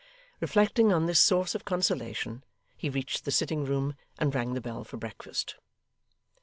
Reflecting on this source of consolation, he reached the sitting room, and rang the bell for breakfast.